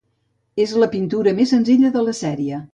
És la pintura més senzilla de la sèrie.